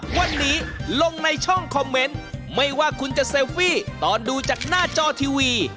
วันนี้ลงในช่องคอมเมนต์ไม่ว่าคุณจะเซลฟี่ตอนดูจากหน้าจอทีวี